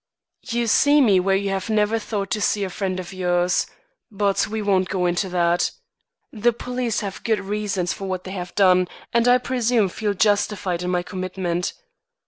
"You see me where you have never thought to see a friend of yours. But we won't go into that. The police have good reasons for what they have done and I presume feel justified in my commitment.